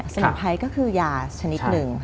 มุนไพรก็คือยาชนิดหนึ่ง